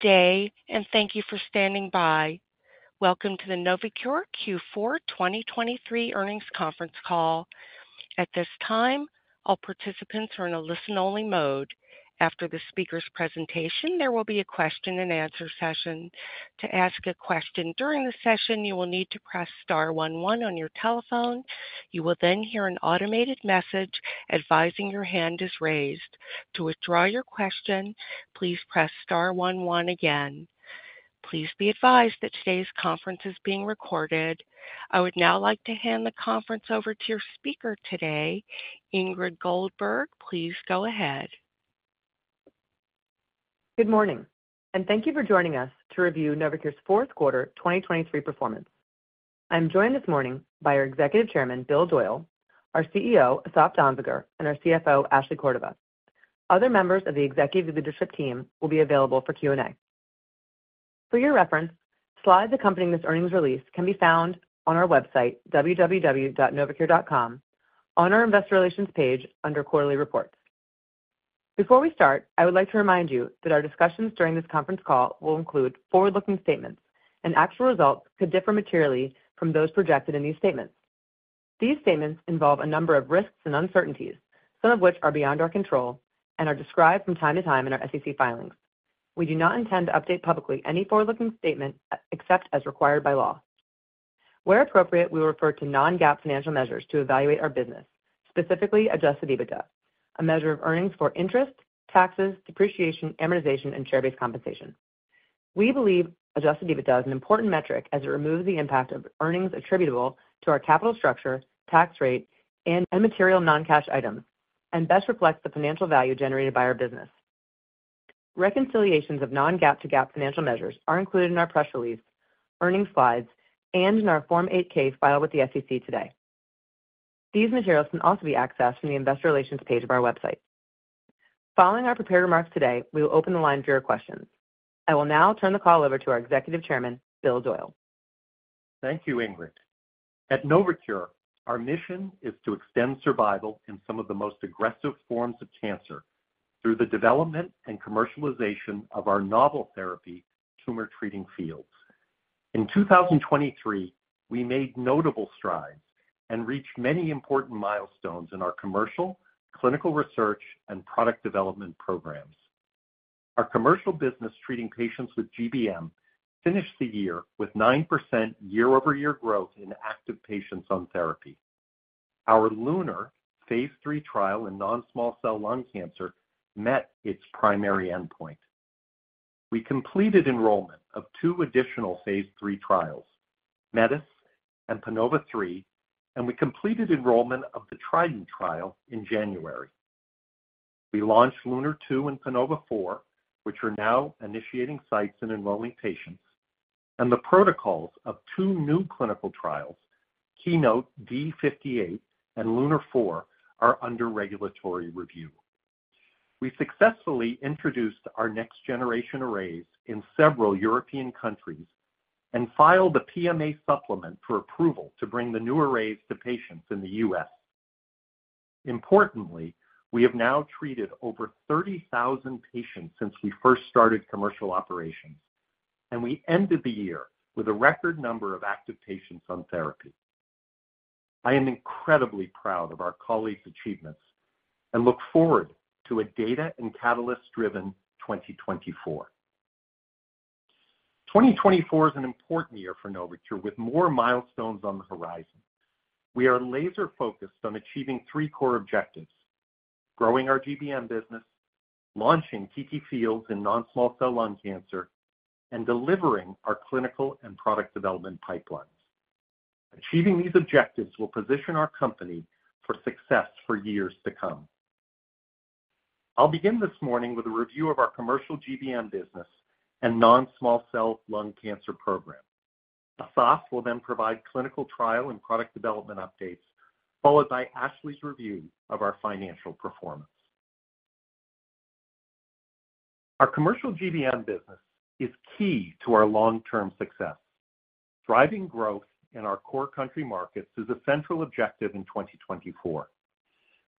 day and thank you for standing by. Welcome to the Novocure Q4 2023 earnings conference call. At this time, all participants are in a listen-only mode. After the speaker's presentation, there will be a question-and-answer session. To ask a question during the session, you will need to press star 11 on your telephone. You will then hear an automated message advising your hand is raised. To withdraw your question, please press star 11 again. Please be advised that today's conference is being recorded. I would now like to hand the conference over to your speaker today. Ingrid Goldberg, please go ahead. Good morning, and thank you for joining us to review Novocure's fourth quarter 2023 performance. I'm joined this morning by our Executive Chairman, Bill Doyle, our CEO, Asaf Danziger, and our CFO, Ashley Cordova. Other members of the executive leadership team will be available for Q&A. For your reference, slides accompanying this earnings release can be found on our website, www.novocure.com, on our investor relations page under quarterly reports. Before we start, I would like to remind you that our discussions during this conference call will include forward-looking statements, and actual results could differ materially from those projected in these statements. These statements involve a number of risks and uncertainties, some of which are beyond our control and are described from time to time in our SEC filings. We do not intend to update publicly any forward-looking statement except as required by law. Where appropriate, we will refer to non-GAAP financial measures to evaluate our business, specifically Adjusted EBITDA, a measure of earnings for interest, taxes, depreciation, amortization, and share-based compensation. We believe Adjusted EBITDA is an important metric as it removes the impact of earnings attributable to our capital structure, tax rate, and material non-cash items, and best reflects the financial value generated by our business. Reconciliations of non-GAAP to GAAP financial measures are included in our press release, earnings slides, and in our Form 8-K filed with the SEC today. These materials can also be accessed from the investor relations page of our website. Following our prepared remarks today, we will open the line for your questions. I will now turn the call over to our Executive Chairman, Bill Doyle. Thank you, Ingrid. At Novocure, our mission is to extend survival in some of the most aggressive forms of cancer through the development and commercialization of our novel therapy Tumor Treating Fields. In 2023, we made notable strides and reached many important milestones in our commercial, clinical research, and product development programs. Our commercial business treating patients with GBM finished the year with 9% year-over-year growth in active patients on therapy. Our LUNAR Phase 3 trial in non-small cell lung cancer met its primary endpoint. We completed enrollment of two additional Phase 3 trials, METIS and PANOVA-3, and we completed enrollment of the TRIDENT trial in January. We launched LUNAR 2 and PANOVA-4, which are now initiating sites and enrolling patients, and the protocols of two new clinical trials, KEYNOTE D58 and LUNAR 4, are under regulatory review. We successfully introduced our next-generation arrays in several European countries and filed a PMA supplement for approval to bring the new arrays to patients in the U.S. Importantly, we have now treated over 30,000 patients since we first started commercial operations, and we ended the year with a record number of active patients on therapy. I am incredibly proud of our colleagues' achievements and look forward to a data and catalyst-driven 2024. 2024 is an important year for Novocure with more milestones on the horizon. We are laser-focused on achieving three core objectives: growing our GBM business, launching TTFields in non-small cell lung cancer, and delivering our clinical and product development pipelines. Achieving these objectives will position our company for success for years to come. I'll begin this morning with a review of our commercial GBM business and non-small cell lung cancer program. Asaf will then provide clinical trial and product development updates, followed by Ashley's review of our financial performance. Our commercial GBM business is key to our long-term success. Driving growth in our core country markets is a central objective in 2024.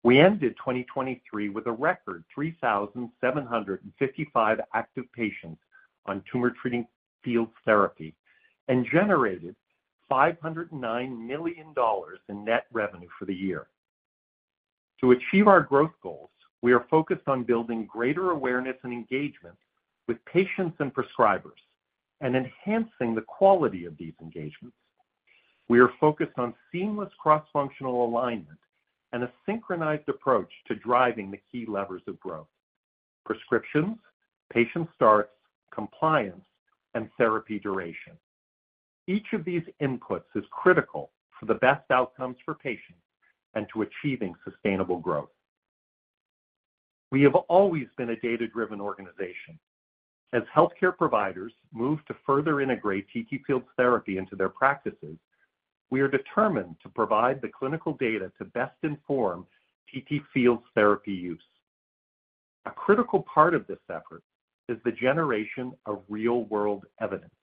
We ended 2023 with a record 3,755 active patients on Tumor Treating Fields therapy and generated $509 million in net revenue for the year. To achieve our growth goals, we are focused on building greater awareness and engagement with patients and prescribers, and enhancing the quality of these engagements. We are focused on seamless cross-functional alignment and a synchronized approach to driving the key levers of growth: prescriptions, patient starts, compliance, and therapy duration. Each of these inputs is critical for the best outcomes for patients and to achieving sustainable growth. We have always been a data-driven organization. As healthcare providers move to further integrate TTFields therapy into their practices, we are determined to provide the clinical data to best inform TTFields therapy use. A critical part of this effort is the generation of real-world evidence.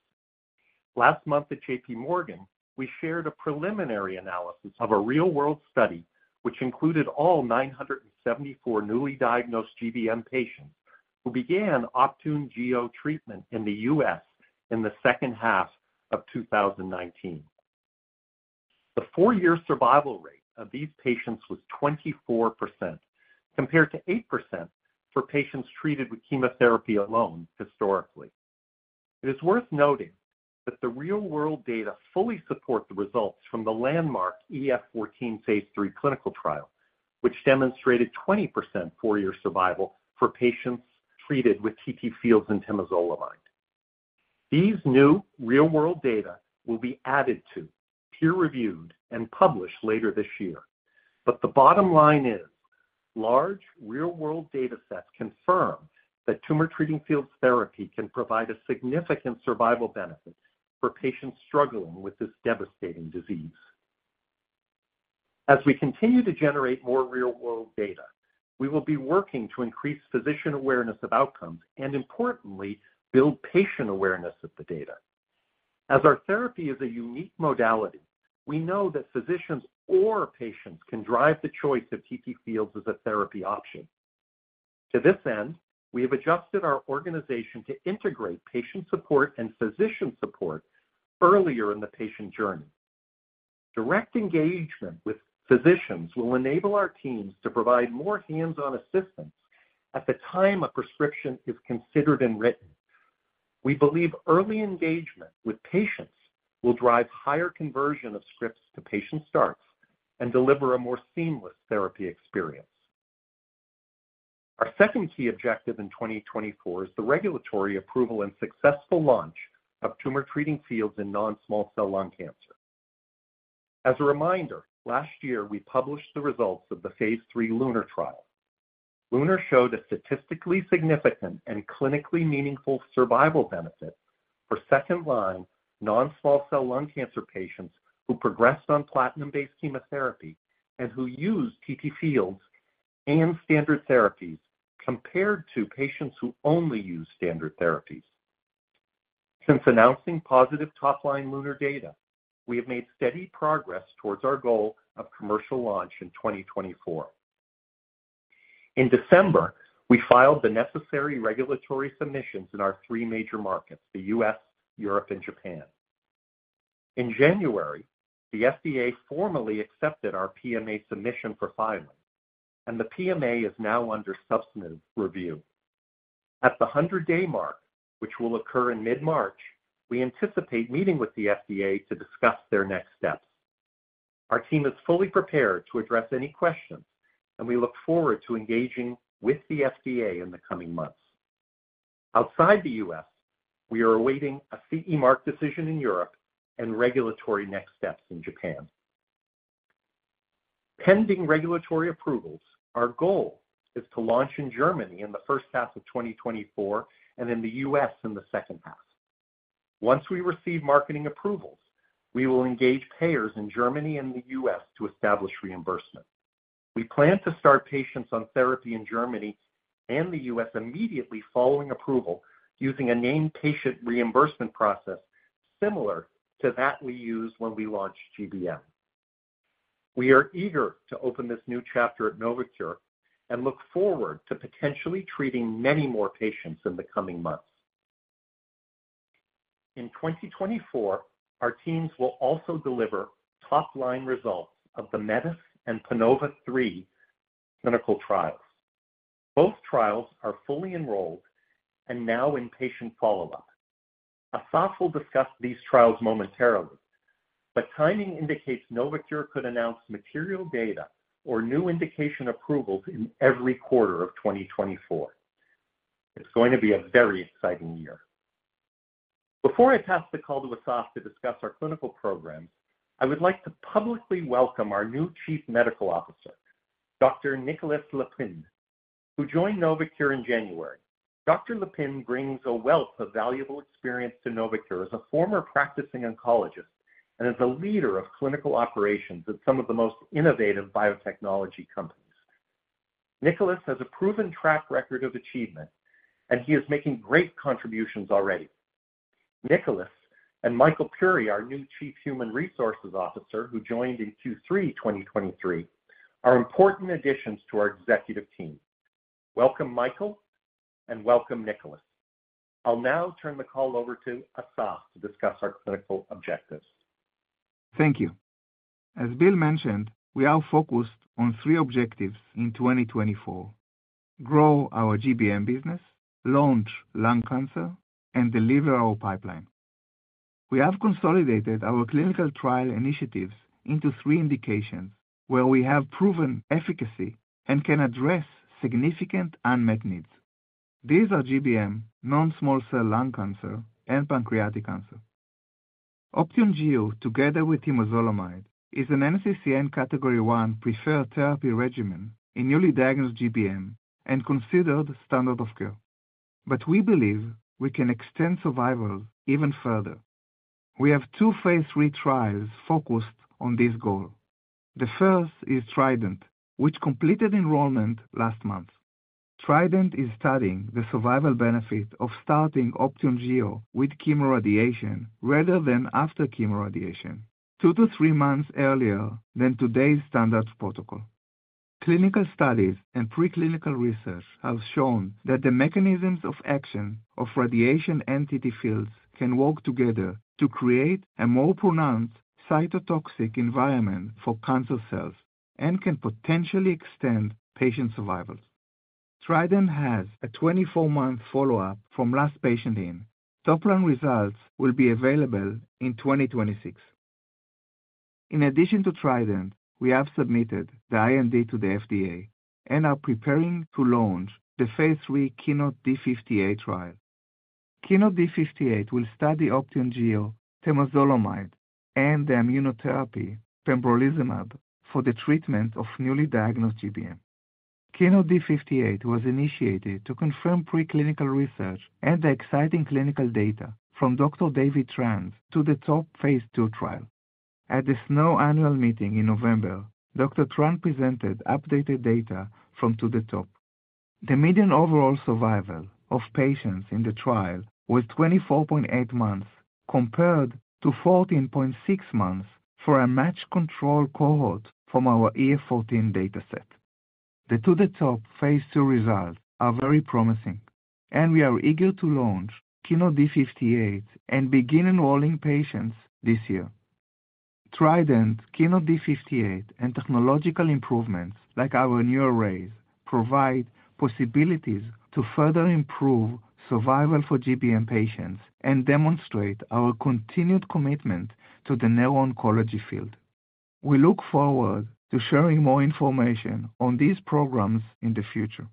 Last month at J.P. Morgan, we shared a preliminary analysis of a real-world study which included all 974 newly diagnosed GBM patients who began Optune Gio treatment in the U.S. in the second half of 2019. The four-year survival rate of these patients was 24%, compared to 8% for patients treated with chemotherapy alone historically. It is worth noting that the real-world data fully support the results from the landmark EF-14 Phase 3 clinical trial, which demonstrated 20% four-year survival for patients treated with TTFields and temozolomide. These new real-world data will be added to, peer-reviewed, and published later this year. The bottom line is, large real-world data sets confirm that Tumor Treating Fields therapy can provide a significant survival benefit for patients struggling with this devastating disease. As we continue to generate more real-world data, we will be working to increase physician awareness of outcomes and, importantly, build patient awareness of the data. As our therapy is a unique modality, we know that physicians or patients can drive the choice of TTFields as a therapy option. To this end, we have adjusted our organization to integrate patient support and physician support earlier in the patient journey. Direct engagement with physicians will enable our teams to provide more hands-on assistance at the time a prescription is considered and written. We believe early engagement with patients will drive higher conversion of scripts to patient starts and deliver a more seamless therapy experience. Our second key objective in 2024 is the regulatory approval and successful launch of Tumor Treating Fields in non-small cell lung cancer. As a reminder, last year we published the results of the phase 3 LUNAR trial. LUNAR showed a statistically significant and clinically meaningful survival benefit for second-line non-small cell lung cancer patients who progressed on platinum-based chemotherapy and who used TTFields and standard therapies compared to patients who only used standard therapies. Since announcing positive top-line LUNAR data, we have made steady progress towards our goal of commercial launch in 2024. In December, we filed the necessary regulatory submissions in our three major markets: the U.S., Europe, and Japan. In January, the FDA formally accepted our PMA submission for filing, and the PMA is now under substantive review. At the 100-day mark, which will occur in mid-March, we anticipate meeting with the FDA to discuss their next steps. Our team is fully prepared to address any questions, and we look forward to engaging with the FDA in the coming months. Outside the U.S., we are awaiting a CE mark decision in Europe and regulatory next steps in Japan. Pending regulatory approvals, our goal is to launch in Germany in the first half of 2024 and in the U.S. in the second half. Once we receive marketing approvals, we will engage payers in Germany and the U.S. to establish reimbursement. We plan to start patients on therapy in Germany and the U.S. immediately following approval using a named patient reimbursement process similar to that we used when we launched GBM. We are eager to open this new chapter at Novocure and look forward to potentially treating many more patients in the coming months. In 2024, our teams will also deliver top-line results of the METIS and PANOVA-3 clinical trials. Both trials are fully enrolled and now in patient follow-up. Asaf will discuss these trials momentarily, but timing indicates Novocure could announce material data or new indication approvals in every quarter of 2024. It's going to be a very exciting year. Before I pass the call to Asaf to discuss our clinical programs, I would like to publicly welcome our new Chief Medical Officer, Dr. Nicolas Leupin, who joined Novocure in January. Dr. Leupin brings a wealth of valuable experience to Novocure as a former practicing oncologist and as a leader of clinical operations at some of the most innovative biotechnology companies. Nicolas has a proven track record of achievement, and he is making great contributions already. Nicolas and Michael Puri, our new Chief Human Resources Officer who joined in Q3 2023, are important additions to our executive team. Welcome, Michael, and welcome, Nicolas. I'll now turn the call over to Asaf to discuss our clinical objectives. Thank you. As Bill mentioned, we are focused on three objectives in 2024: grow our GBM business, launch lung cancer, and deliver our pipeline. We have consolidated our clinical trial initiatives into three indications where we have proven efficacy and can address significant unmet needs. These are GBM, non-small cell lung cancer, and pancreatic cancer. Optune Gio, together with temozolomide, is an NCCN Category 1 preferred therapy regimen in newly diagnosed GBM and considered standard of care. But we believe we can extend survival even further. We have two phase 3 trials focused on this goal. The first is TRIDENT, which completed enrollment last month. TRIDENT is studying the survival benefit of starting Optune Gio with chemoradiation rather than after chemoradiation, two to three months earlier than today's standard protocol. Clinical studies and preclinical research have shown that the mechanisms of action of radiation and TTFields can work together to create a more pronounced cytotoxic environment for cancer cells and can potentially extend patient survival. TRIDENT has a 24-month follow-up from last patient in. Top-line results will be available in 2026. In addition to TRIDENT, we have submitted the IND to the FDA and are preparing to launch the phase 3 KEYNOTE D58 trial. KEYNOTE D58 will study Optune Gio, temozolomide, and the immunotherapy pembrolizumab for the treatment of newly diagnosed GBM. KEYNOTE D58 was initiated to confirm preclinical research and the exciting clinical data from Dr. David Tran's 2 THE TOP phase 2 trial. At the SNO annual meeting in November, Dr. Tran presented updated data from 2 THE TOP. The median overall survival of patients in the trial was 24.8 months compared to 14.6 months for a matched control cohort from our EF-14 data set. The 2 THE TOP phase 2 results are very promising, and we are eager to launch KEYNOTE D58 and begin enrolling patients this year. TRIDENT, KEYNOTE D58, and technological improvements like our new arrays provide possibilities to further improve survival for GBM patients and demonstrate our continued commitment to the neuro-oncology field. We look forward to sharing more information on these programs in the future.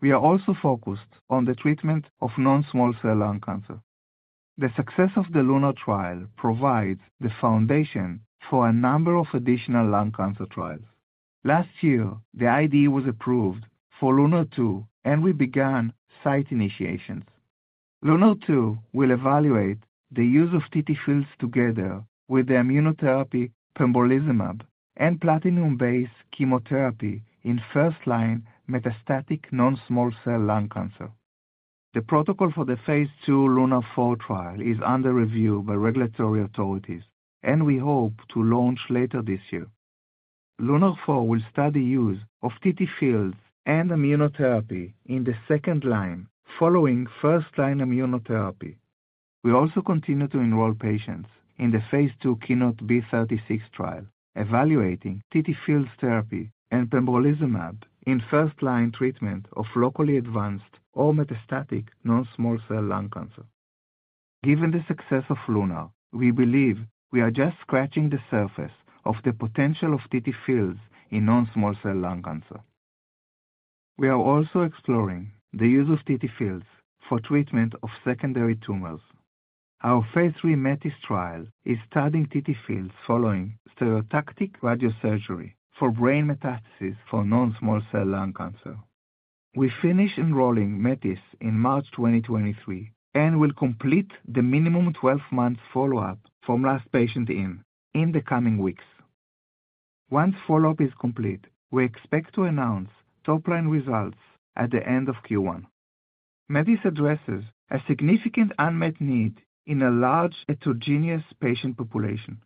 We are also focused on the treatment of non-small cell lung cancer. The success of the LUNAR trial provides the foundation for a number of additional lung cancer trials. Last year, the IND was approved for LUNAR 2, and we began site initiations. LUNAR 2 will evaluate the use of TTFields together with the immunotherapy pembrolizumab and platinum-based chemotherapy in first-line metastatic non-small cell lung cancer. The protocol for the phase 2 LUNAR 4 trial is under review by regulatory authorities, and we hope to launch later this year. LUNAR 4 will study the use of TTFields and immunotherapy in the second line following first-line immunotherapy. We also continue to enroll patients in the phase 2 KEYNOTE B36 trial, evaluating TTFields therapy and pembrolizumab in first-line treatment of locally advanced or metastatic non-small cell lung cancer. Given the success of LUNAR, we believe we are just scratching the surface of the potential of TTFields in non-small cell lung cancer. We are also exploring the use of TTFields for treatment of secondary tumors. Our Phase 3 METIS trial is studying TTFields following stereotactic radiosurgery for brain metastasis for non-small cell lung cancer. We finished enrolling METIS in March 2023 and will complete the minimum 12-month follow-up from last patient in the coming weeks. Once follow-up is complete, we expect to announce top-line results at the end of Q1. METIS addresses a significant unmet need in a large heterogeneous patient population.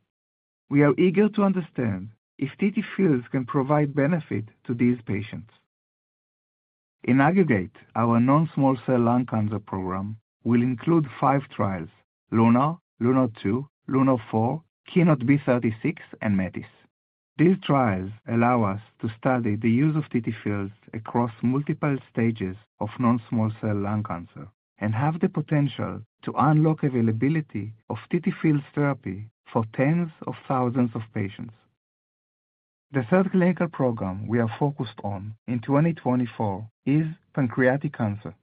We are eager to understand if TTFields can provide benefit to these patients. In aggregate, our non-small cell lung cancer program will include five trials: LUNAR, LUNAR 2, LUNAR 4, KEYNOTE B36, and METIS. These trials allow us to study the use of TTFields across multiple stages of non-small cell lung cancer and have the potential to unlock availability of TTFields therapy for tens of thousands of patients. The third clinical program we are focused on in 2024 is pancreatic cancer.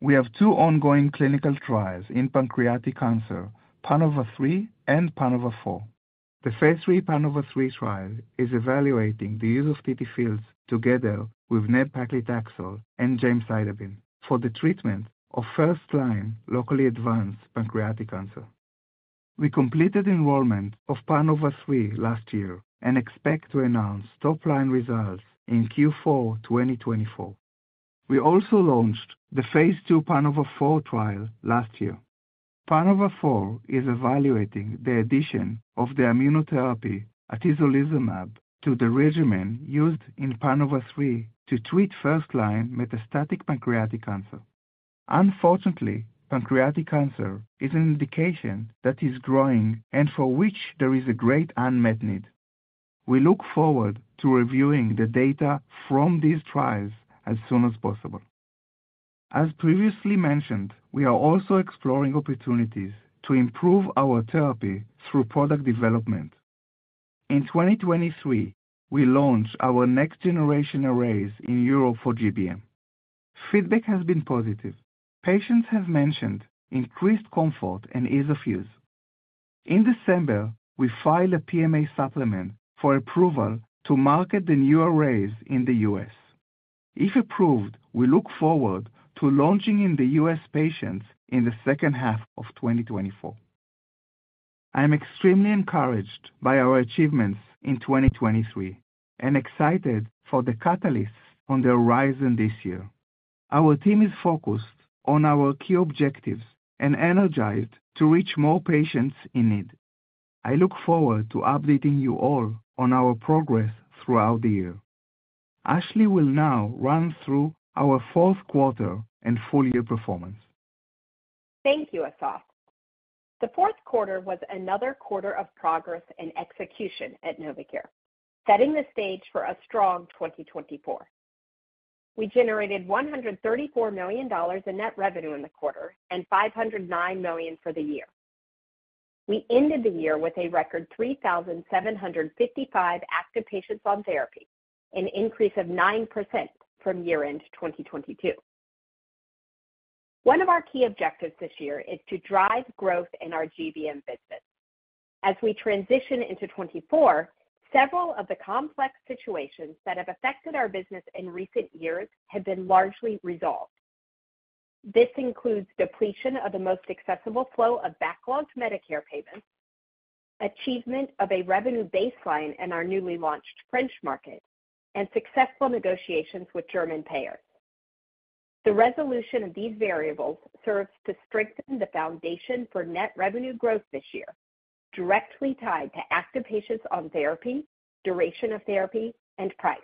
We have two ongoing clinical trials in pancreatic cancer, PANOVA-3 and PANOVA-4. The phase 3 PANOVA-3 trial is evaluating the use of TTFields together with nab-paclitaxel and gemcitabine for the treatment of first-line locally advanced pancreatic cancer. We completed enrollment of PANOVA-3 last year and expect to announce top-line results in Q4 2024. We also launched the phase 2 PANOVA-4 trial last year. PANOVA-4 is evaluating the addition of the immunotherapy atezolizumab to the regimen used in PANOVA-3 to treat first-line metastatic pancreatic cancer. Unfortunately, pancreatic cancer is an indication that is growing and for which there is a great unmet need. We look forward to reviewing the data from these trials as soon as possible. As previously mentioned, we are also exploring opportunities to improve our therapy through product development. In 2023, we launched our next-generation arrays in Europe for GBM. Feedback has been positive. Patients have mentioned increased comfort and ease of use. In December, we filed a PMA supplement for approval to market the new arrays in the U.S. If approved, we look forward to launching in the U.S. patients in the second half of 2024. I am extremely encouraged by our achievements in 2023 and excited for the catalysts on the horizon this year. Our team is focused on our key objectives and energized to reach more patients in need. I look forward to updating you all on our progress throughout the year. Ashley will now run through our fourth quarter and full-year performance. Thank you, Asaf. The fourth quarter was another quarter of progress and execution at Novocure, setting the stage for a strong 2024. We generated $134 million in net revenue in the quarter and $509 million for the year. We ended the year with a record 3,755 active patients on therapy, an increase of 9% from year-end 2022. One of our key objectives this year is to drive growth in our GBM business. As we transition into 2024, several of the complex situations that have affected our business in recent years have been largely resolved. This includes depletion of the most accessible flow of backlogged Medicare payments, achievement of a revenue baseline in our newly launched French market, and successful negotiations with German payers. The resolution of these variables serves to strengthen the foundation for net revenue growth this year, directly tied to active patients on therapy, duration of therapy, and price.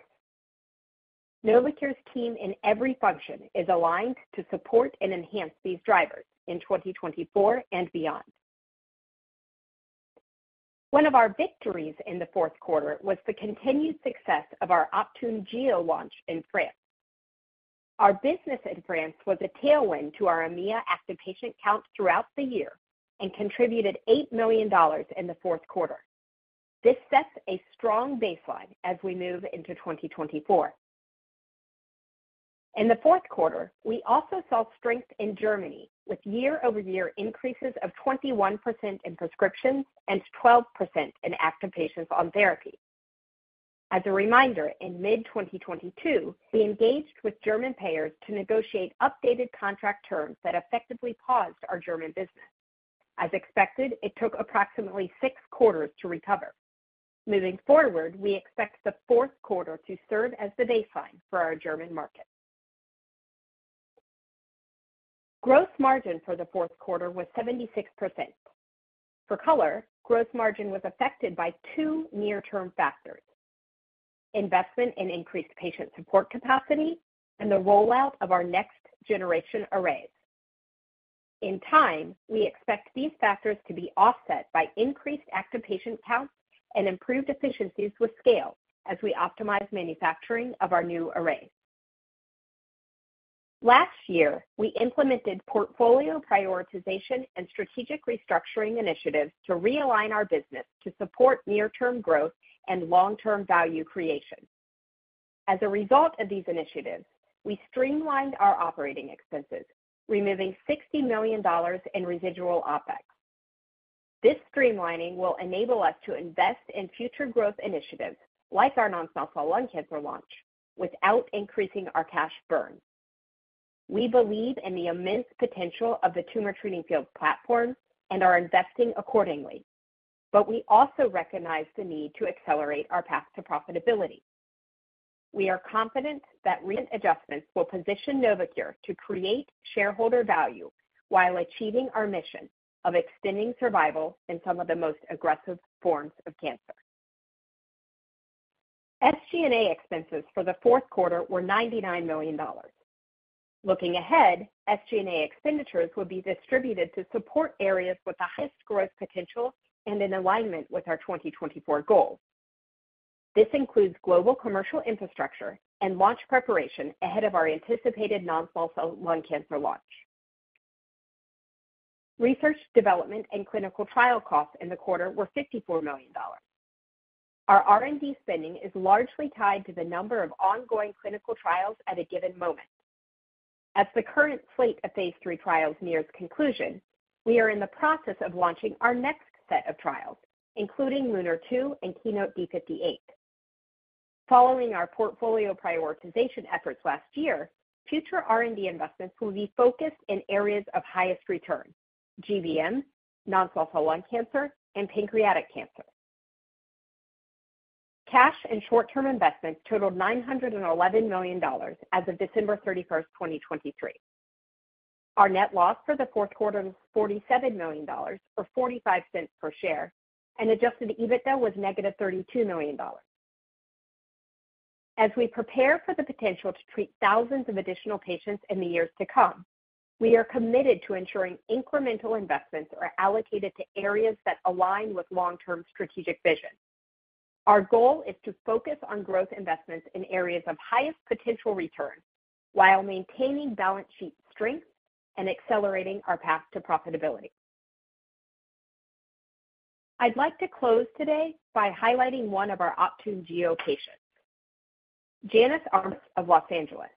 Novocure's team in every function is aligned to support and enhance these drivers in 2024 and beyond. One of our victories in the fourth quarter was the continued success of our Optune Gio launch in France. Our business in France was a tailwind to our EMEA active patient count throughout the year and contributed $8 million in the fourth quarter. This sets a strong baseline as we move into 2024. In the fourth quarter, we also saw strength in Germany with year-over-year increases of 21% in prescriptions and 12% in active patients on therapy. As a reminder, in mid-2022, we engaged with German payers to negotiate updated contract terms that effectively paused our German business. As expected, it took approximately 6 quarters to recover. Moving forward, we expect the fourth quarter to serve as the baseline for our German market. Gross margin for the fourth quarter was 76%. For color, gross margin was affected by 2 near-term factors: investment in increased patient support capacity and the rollout of our next-generation arrays. In time, we expect these factors to be offset by increased active patient counts and improved efficiencies with scale as we optimize manufacturing of our new arrays. Last year, we implemented portfolio prioritization and strategic restructuring initiatives to realign our business to support near-term growth and long-term value creation. As a result of these initiatives, we streamlined our operating expenses, removing $60 million in residual OpEx. This streamlining will enable us to invest in future growth initiatives like our Non-Small Cell Lung Cancer launch without increasing our cash burn. We believe in the immense potential of the Tumor Treating Field platform and are investing accordingly, but we also recognize the need to accelerate our path to profitability. We are confident that recent adjustments will position Novocure to create shareholder value while achieving our mission of extending survival in some of the most aggressive forms of cancer. SG&A expenses for the fourth quarter were $99 million. Looking ahead, SG&A expenditures will be distributed to support areas with the highest growth potential and in alignment with our 2024 goals. This includes global commercial infrastructure and launch preparation ahead of our anticipated non-small cell lung cancer launch. Research, development, and clinical trial costs in the quarter were $54 million. Our R&D spending is largely tied to the number of ongoing clinical trials at a given moment. As the current slate of Phase 3 trials nears conclusion, we are in the process of launching our next set of trials, including LUNAR 2 and KEYNOTE D58. Following our portfolio prioritization efforts last year, future R&D investments will be focused in areas of highest return: GBM, non-small cell lung cancer, and pancreatic cancer. Cash and short-term investments totaled $911 million as of December 31st, 2023. Our net loss for the fourth quarter was $47 million or $0.45 per share, and Adjusted EBITDA was negative $32 million. As we prepare for the potential to treat thousands of additional patients in the years to come, we are committed to ensuring incremental investments are allocated to areas that align with long-term strategic vision. Our goal is to focus on growth investments in areas of highest potential return while maintaining balance sheet strength and accelerating our path to profitability. I'd like to close today by highlighting one of our Optune Gio patients, Janice Armstrong of Los Angeles.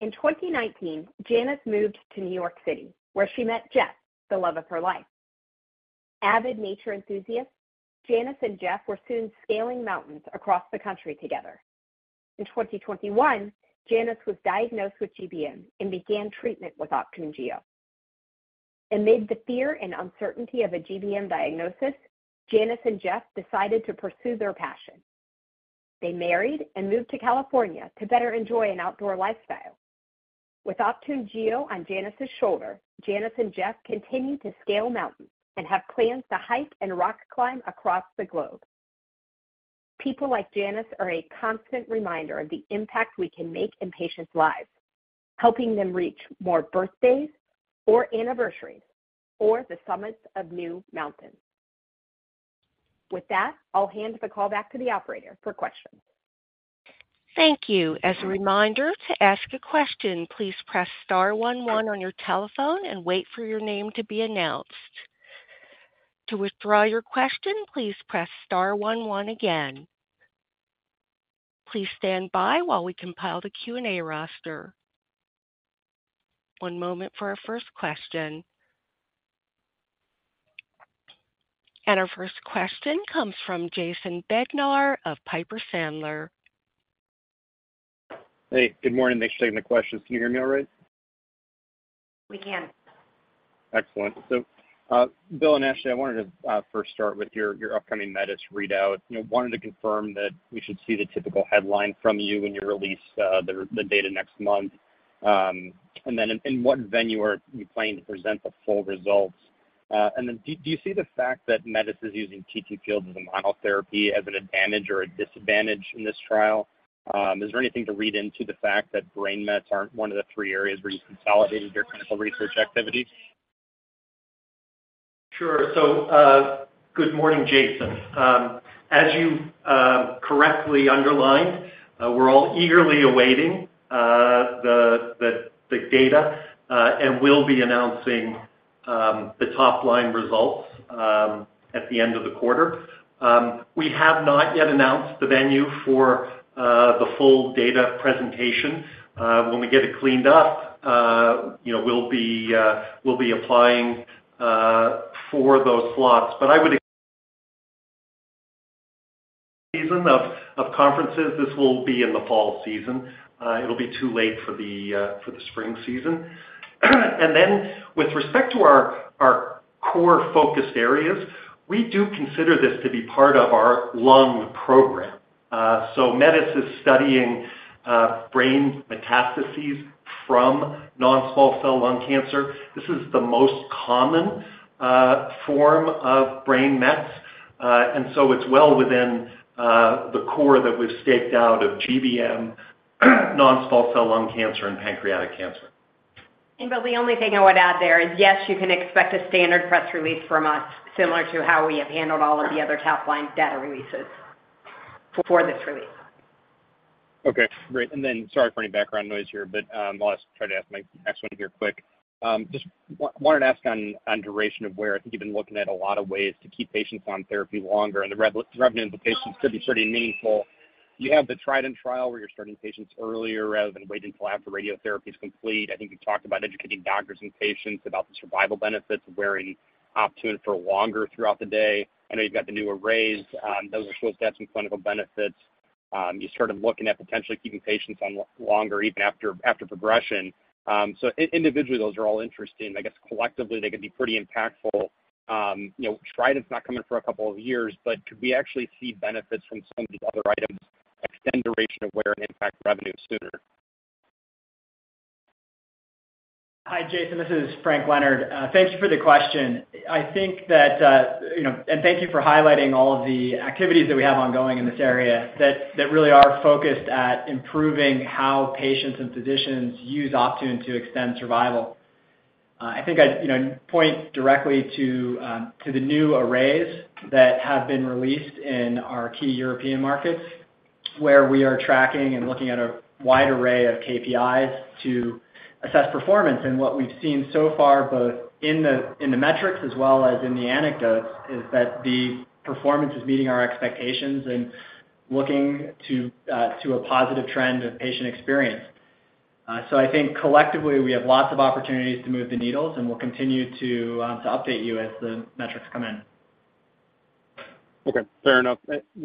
In 2019, Janice moved to New York City, where she met Jeff, the love of her life. Avid nature enthusiasts, Janice and Jeff were soon scaling mountains across the country together. In 2021, Janice was diagnosed with GBM and began treatment with Optune Gio. Amid the fear and uncertainty of a GBM diagnosis, Janice and Jeff decided to pursue their passion. They married and moved to California to better enjoy an outdoor lifestyle. With Optune Gio on Janice's shoulder, Janice and Jeff continue to scale mountains and have plans to hike and rock climb across the globe. People like Janice are a constant reminder of the impact we can make in patients' lives, helping them reach more birthdays or anniversaries or the summits of new mountains. With that, I'll hand the call back to the operator for questions. Thank you. As a reminder, to ask a question, please press star 11 on your telephone and wait for your name to be announced. To withdraw your question, please press star 11 again. Please stand by while we compile the Q&A roster. One moment for our first question. Our first question comes from Jason Bednar of Piper Sandler. Hey. Good morning. Thanks for taking the question. Can you hear me all right? We can. Excellent. So, Bill and Ashley, I wanted to first start with your upcoming METIS readout. Wanted to confirm that we should see the typical headline from you when you release the data next month? And then in what venue are you planning to present the full results? And then do you see the fact that METIS is using TTFields as a monotherapy as an advantage or a disadvantage in this trial? Is there anything to read into the fact that brain mets aren't one of the three areas where you consolidated your clinical research activities? Sure. So good morning, Jason. As you correctly underlined, we're all eagerly awaiting the data and will be announcing the top-line results at the end of the quarter. We have not yet announced the venue for the full data presentation. When we get it cleaned up, we'll be applying for those slots. Season of conferences, this will be in the fall season. It'll be too late for the spring season. And then with respect to our core focused areas, we do consider this to be part of our lung program. So METIS is studying brain metastases from non-small cell lung cancer. This is the most common form of brain mets. And so it's well within the core that we've staked out of GBM, non-small cell lung cancer, and pancreatic cancer. Bill, the only thing I would add there is, yes, you can expect a standard press release from us similar to how we have handled all of the other top-line data releases for this release. Okay. Great. And then sorry for any background noise here, but I'll try to ask my next one here quick. Just wanted to ask on duration of wear. I think you've been looking at a lot of ways to keep patients on therapy longer, and the revenue implications could be pretty meaningful. You have the TRIDENT trial where you're starting patients earlier rather than waiting until after radiotherapy is complete. I think you've talked about educating doctors and patients about the survival benefits of wearing Optune for longer throughout the day. I know you've got the new arrays. Those are supposed to have some clinical benefits. You started looking at potentially keeping patients on longer even after progression. So individually, those are all interesting. I guess collectively, they could be pretty impactful. trial is not coming for a couple of years, but could we actually see benefits from some of these other items extend duration of wear and impact revenue sooner? Hi, Jason. This is Frank Leonard. Thank you for the question. I think that, and thank you for highlighting all of the activities that we have ongoing in this area that really are focused at improving how patients and physicians use Optune to extend survival. I think I'd point directly to the new arrays that have been released in our key European markets where we are tracking and looking at a wide array of KPIs to assess performance. What we've seen so far, both in the metrics as well as in the anecdotes, is that the performance is meeting our expectations and looking to a positive trend of patient experience. I think collectively, we have lots of opportunities to move the needles, and we'll continue to update you as the metrics come in. Okay. Fair enough.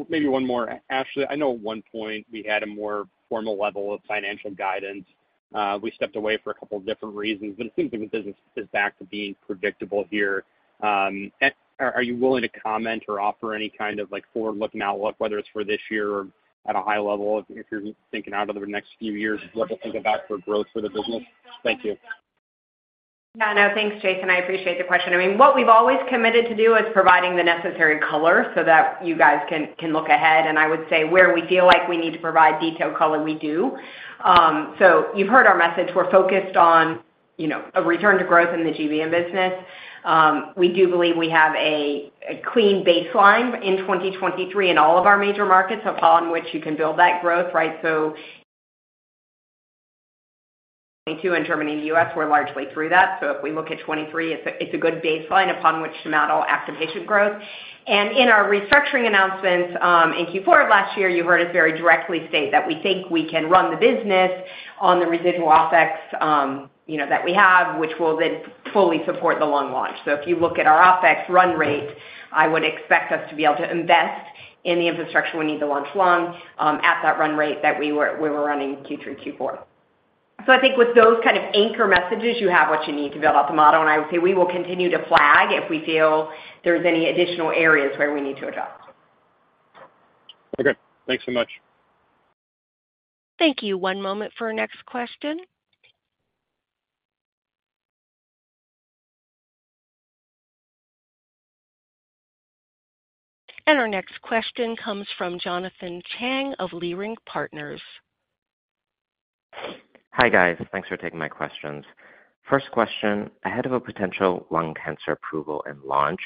Maybe one more. Ashley, I know at one point we had a more formal level of financial guidance. We stepped away for a couple of different reasons, but it seems like the business is back to being predictable here. Are you willing to comment or offer any kind of forward-looking outlook, whether it's for this year or at a high level if you're thinking out of the next few years of what to think about for growth for the business? Thank you. Yeah. No. Thanks, Jason. I appreciate the question. I mean, what we've always committed to do is providing the necessary color so that you guys can look ahead. I would say where we feel like we need to provide detailed color, we do. You've heard our message. We're focused on a return to growth in the GBM business. We do believe we have a clean baseline in 2023 in all of our major markets upon which you can build that growth, right? 2022 in Germany and the U.S., we're largely through that. If we look at 2023, it's a good baseline upon which to model active patient growth. In our restructuring announcements in Q4 of last year, you heard us very directly state that we think we can run the business on the residual OpEx that we have, which will then fully support the lung launch. If you look at our OpEx run rate, I would expect us to be able to invest in the infrastructure we need to launch lung at that run rate that we were running Q3, Q4. I think with those kind of anchor messages, you have what you need to build out the model. I would say we will continue to flag if we feel there's any additional areas where we need to adjust. Okay. Thanks so much. Thank you. One moment for our next question. Our next question comes from Jonathan Chang of Leerink Partners. Hi, guys. Thanks for taking my questions. First question, ahead of a potential lung cancer approval and launch,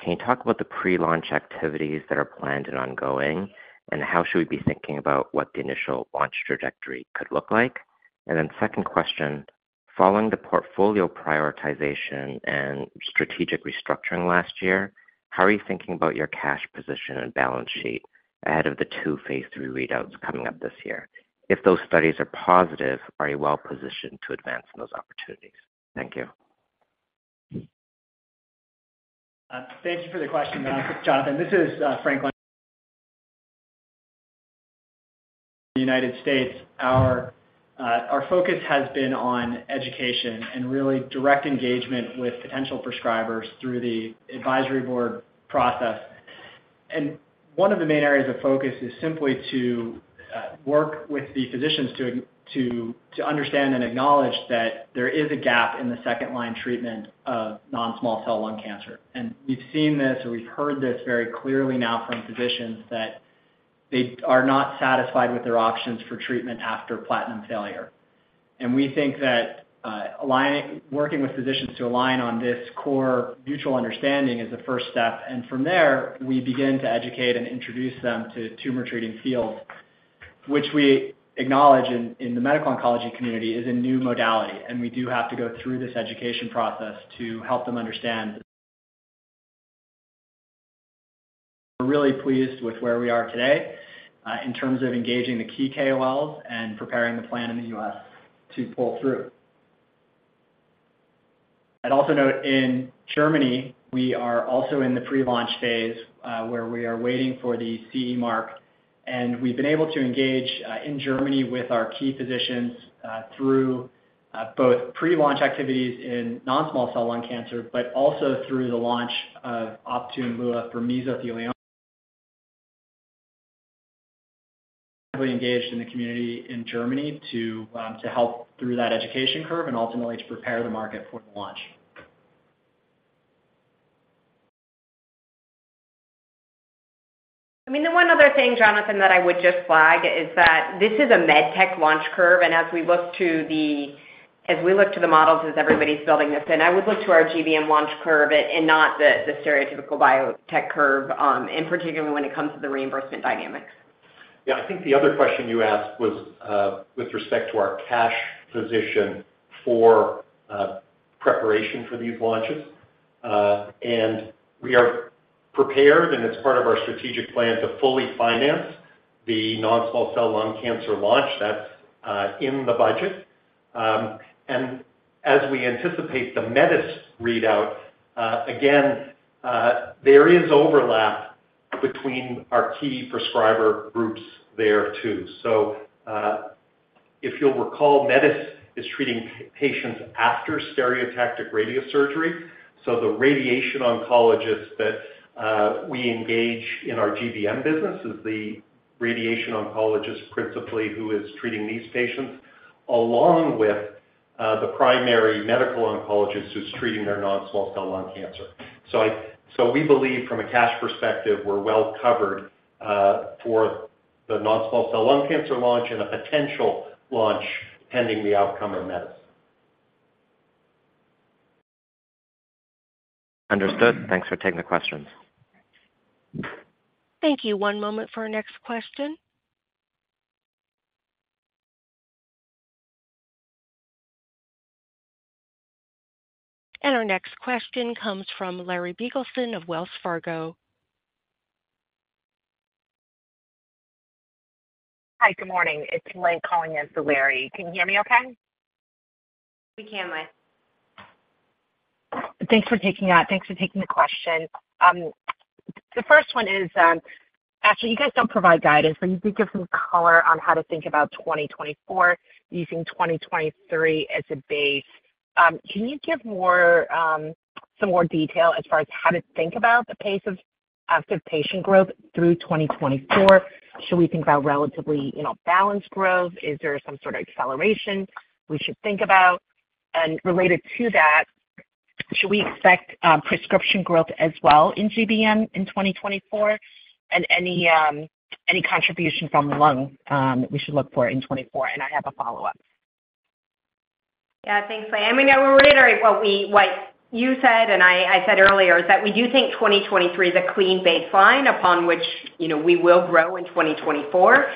can you talk about the pre-launch activities that are planned and ongoing, and how should we be thinking about what the initial launch trajectory could look like? And then second question, following the portfolio prioritization and strategic restructuring last year, how are you thinking about your cash position and balance sheet ahead of the 2 Phase 3 readouts coming up this year? If those studies are positive, are you well positioned to advance in those opportunities? Thank you. Thank you for the question, Jonathan. This is Frank Leonard of the United States. Our focus has been on education and really direct engagement with potential prescribers through the advisory board process. One of the main areas of focus is simply to work with the physicians to understand and acknowledge that there is a gap in the second-line treatment of non-small cell lung cancer. We've seen this or we've heard this very clearly now from physicians that they are not satisfied with their options for treatment after platinum failure. We think that working with physicians to align on this core mutual understanding is the first step. From there, we begin to educate and introduce them to Tumor Treating Fields, which we acknowledge in the medical oncology community is a new modality. We do have to go through this education process to help them understand. We're really pleased with where we are today in terms of engaging the key KOLs and preparing the plan in the U.S. to pull through. I'd also note in Germany, we are also in the pre-launch phase where we are waiting for the CE mark. And we've been able to engage in Germany with our key physicians through both pre-launch activities in non-small cell lung cancer but also through the launch of Optune Lua for mesothelioma. We're actively engaged in the community in Germany to help through that education curve and ultimately to prepare the market for the launch. I mean, the one other thing, Jonathan, that I would just flag is that this is a medtech launch curve. And as we look to the models as everybody's building this in, I would look to our GBM launch curve and not the stereotypical biotech curve, in particular when it comes to the reimbursement dynamics. Yeah. I think the other question you asked was with respect to our cash position for preparation for these launches. We are prepared, and it's part of our strategic plan, to fully finance the non-small cell lung cancer launch. That's in the budget. As we anticipate the METIS readout, again, there is overlap between our key prescriber groups there too. If you'll recall, METIS is treating patients after stereotactic radiosurgery. The radiation oncologist that we engage in our GBM business is the radiation oncologist principally who is treating these patients, along with the primary medical oncologist who's treating their non-small cell lung cancer. We believe, from a cash perspective, we're well covered for the non-small cell lung cancer launch and a potential launch pending the outcome of METIS. Understood. Thanks for taking the questions. Thank you. One moment for our next question. Our next question comes from Larry Biegelsen of Wells Fargo. Hi. Good morning. It's Link calling in for Larry. Can you hear me okay? We can, Link. Thanks for taking that. Thanks for taking the question. The first one is, Ashley, you guys don't provide guidance, but you did give some color on how to think about 2024 using 2023 as a base. Can you give some more detail as far as how to think about the pace of active patient growth through 2024? Should we think about relatively balanced growth? Is there some sort of acceleration we should think about? And related to that, should we expect prescription growth as well in GBM in 2024 and any contribution from lung that we should look for in 2024? And I have a follow-up. Yeah. Thanks, Link. I mean, we're reiterating what you said, and I said earlier, is that we do think 2023 is a clean baseline upon which we will grow in 2024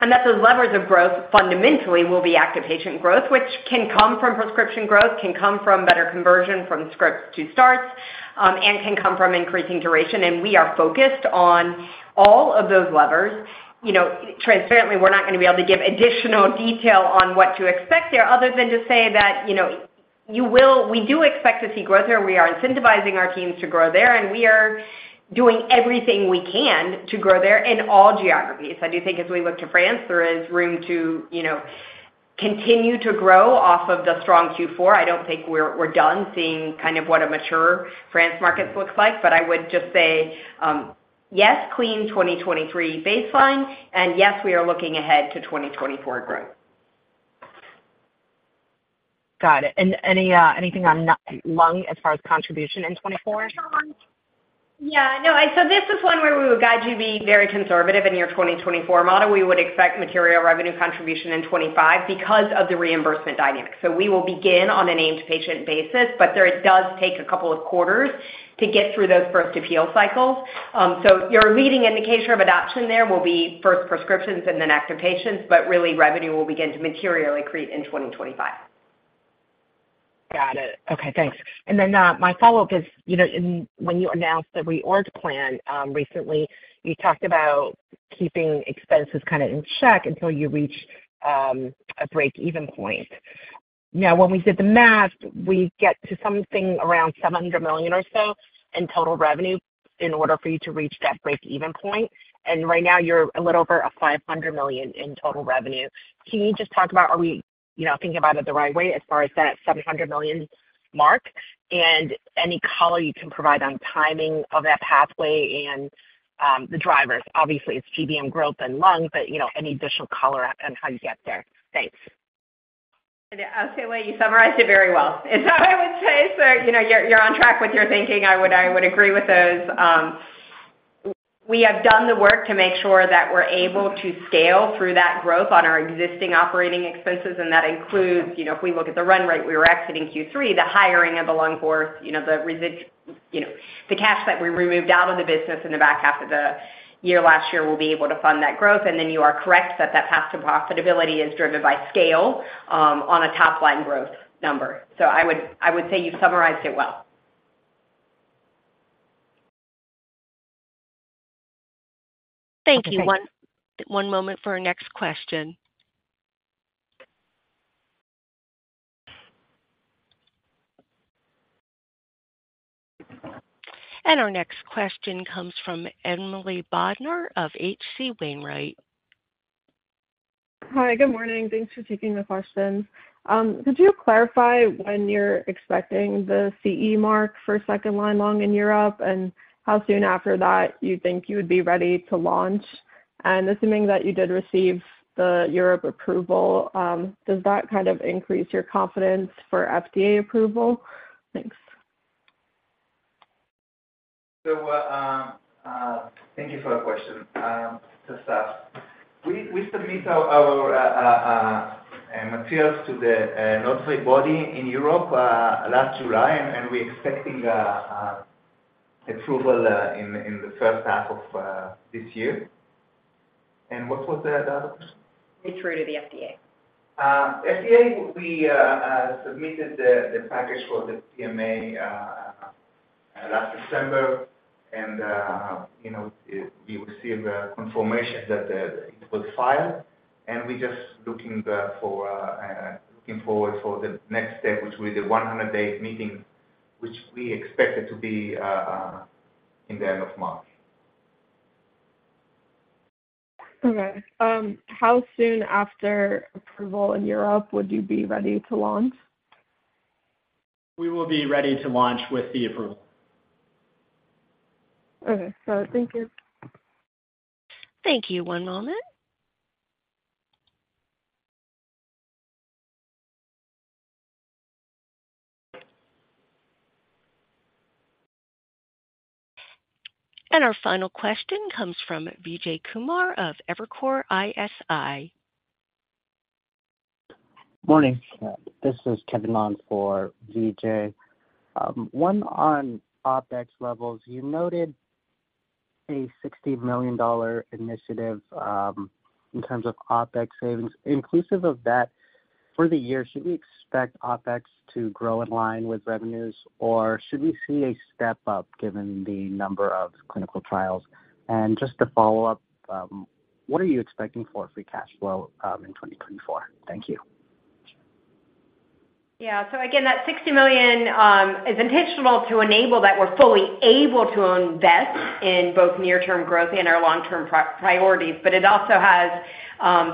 and that those levers of growth fundamentally will be active patient growth, which can come from prescription growth, can come from better conversion from scripts to starts, and can come from increasing duration. We are focused on all of those levers. Transparently, we're not going to be able to give additional detail on what to expect there other than to say that we do expect to see growth there. We are incentivizing our teams to grow there, and we are doing everything we can to grow there in all geographies. I do think as we look to France, there is room to continue to grow off of the strong Q4. I don't think we're done seeing kind of what a mature France market looks like. But I would just say, yes, clean 2023 baseline, and yes, we are looking ahead to 2024 growth. Got it. And anything on lung as far as contribution in 2024? Yeah. No. So this is one where we would guide you to be very conservative in your 2024 model. We would expect material revenue contribution in 2025 because of the reimbursement dynamic. So we will begin on a named patient basis, but it does take a couple of quarters to get through those first appeal cycles. So your leading indicator of adoption there will be first prescriptions and then active patients, but really, revenue will begin to materially create in 2025. Got it. Okay. Thanks. And then my follow-up is, when you announced the reorg plan recently, you talked about keeping expenses kind of in check until you reach a break-even point. Now, when we did the math, we get to something around $700 million or so in total revenue in order for you to reach that break-even point. And right now, you're a little over $500 million in total revenue. Can you just talk about are we thinking about it the right way as far as that $700 million mark and any color you can provide on timing of that pathway and the drivers? Obviously, it's GBM growth and lung, but any additional color on how you get there. Thanks. I'll say what you summarized it very well. It's how I would say, sir. You're on track with your thinking. I would agree with those. We have done the work to make sure that we're able to scale through that growth on our existing operating expenses. And that includes, if we look at the run rate, we were exiting Q3, the hiring of the lung force, the cash that we removed out of the business in the back half of the year last year will be able to fund that growth. And then you are correct that that path to profitability is driven by scale on a top-line growth number. So I would say you've summarized it well. Thank you. One moment for our next question. Our next question comes from Emily Bodner of HC Wainwright. Hi. Good morning. Thanks for taking the questions. Could you clarify when you're expecting the CE mark for second-line lung in Europe and how soon after that you think you would be ready to launch? And assuming that you did receive the Europe approval, does that kind of increase your confidence for FDA approval? Thanks. Thank you for the question, Asaf. We submit our materials to the notified body in Europe last July, and we're expecting approval in the first half of this year. What was the other question? Pay true to the FDA. FDA, we submitted the package for the PMA last December, and we received confirmation that it was filed. We're just looking forward for the next step, which will be the 100-day meeting, which we expected to be in the end of March. Okay. How soon after approval in Europe would you be ready to launch? We will be ready to launch with the approval. Okay. Thank you. Thank you. One moment. Our final question comes from Vijay Kumar of Evercore ISI. Morning. This is Kevin Long for Vijay. One on OpEx levels, you noted a $60 million initiative in terms of OpEx savings. Inclusive of that, for the year, should we expect OpEx to grow in line with revenues, or should we see a step up given the number of clinical trials? And just to follow up, what are you expecting for free cash flow in 2024? Thank you. Yeah. So again, that $60 million is intentional to enable that we're fully able to invest in both near-term growth and our long-term priorities. But it also has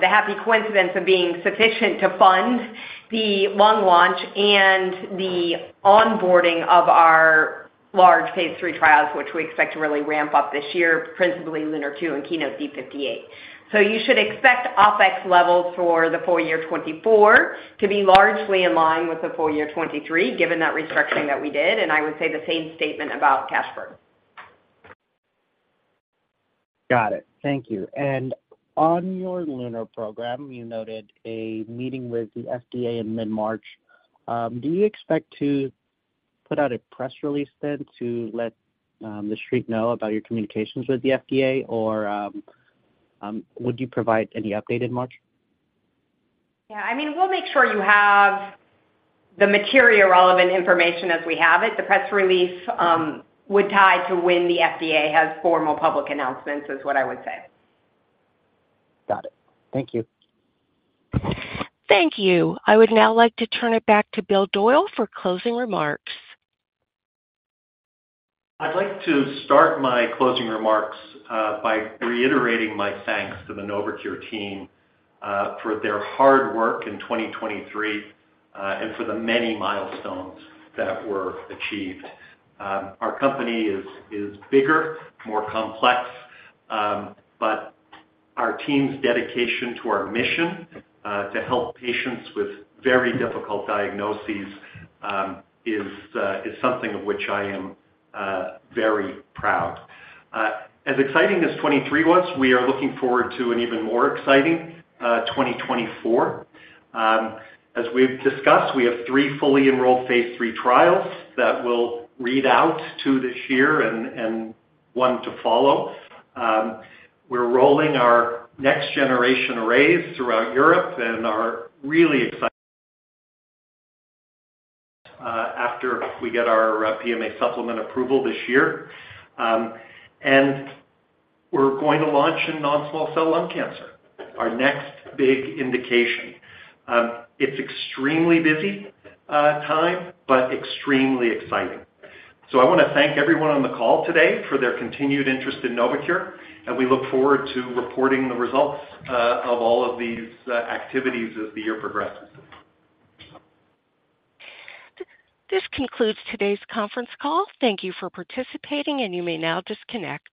the happy coincidence of being sufficient to fund the lung launch and the onboarding of our large Phase 3 trials, which we expect to really ramp up this year, principally LUNAR 2 and KEYNOTE D58. So you should expect OpEX levels for the full year 2024 to be largely in line with the full year 2023 given that restructuring that we did. And I would say the same statement about cash burn. Got it. Thank you. On your LUNAR program, you noted a meeting with the FDA in mid-March. Do you expect to put out a press release then to let the street know about your communications with the FDA, or would you provide any update in March? Yeah. I mean, we'll make sure you have the material relevant information as we have it. The press release would tie to when the FDA has formal public announcements, is what I would say. Got it. Thank you. Thank you. I would now like to turn it back to Bill Doyle for closing remarks. I'd like to start my closing remarks by reiterating my thanks to the Novocure team for their hard work in 2023 and for the many milestones that were achieved. Our company is bigger, more complex, but our team's dedication to our mission to help patients with very difficult diagnoses is something of which I am very proud. As exciting as 2023 was, we are looking forward to an even more exciting 2024. As we've discussed, we have three fully enrolled Phase 3 trials that will read out to this year and one to follow. We're rolling our next-generation arrays throughout Europe, and we're really excited after we get our PMA supplement approval this year. And we're going to launch in non-small cell lung cancer, our next big indication. It's an extremely busy time but extremely exciting. So I want to thank everyone on the call today for their continued interest in Novocure, and we look forward to reporting the results of all of these activities as the year progresses. This concludes today's conference call. Thank you for participating, and you may now disconnect.